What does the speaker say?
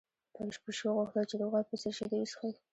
پيشو غوښتل چې د غوا په څېر شیدې وڅښي.